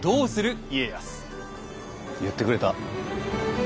言ってくれた。